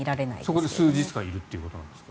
そこで数日間いるということなんですか？